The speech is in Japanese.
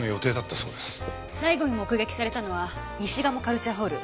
最後に目撃されたのは西賀茂カルチャーホール。